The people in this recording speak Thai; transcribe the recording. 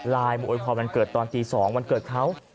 มาโวยพรวันเกิดตอนตี๒วันเกิดเขา